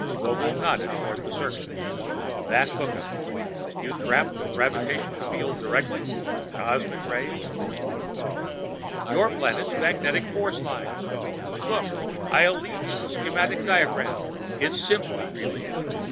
Vogel nodded toward the circuit. "That hookup you tap the gravitational field direct? Cosmic rays?" "Your planet's magnet force lines. Look, I'll leave you the schematic diagram. It's simple, really.